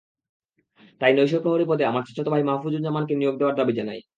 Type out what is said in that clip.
তাই নৈশপ্রহরী পদে আমার চাচাতো ভাই মাহফুজ্জামানকে নিয়োগ দেওয়ার দাবি জানাই।